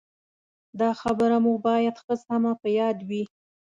دا خبره مو باید ښه سمه په یاد وي.